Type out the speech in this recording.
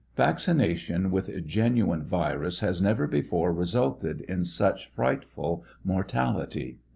„. Vaccination with genuine virus has never before resulted in such frightful mortality.